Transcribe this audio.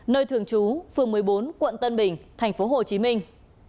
nơi thường trú phường một mươi bốn quận tân bình thành phố hồ chí minh